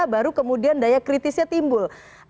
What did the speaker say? baru kemudian daya kritisnya timbul